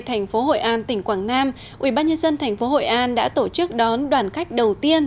thành phố hội an tỉnh quảng nam ubnd tp hội an đã tổ chức đón đoàn khách đầu tiên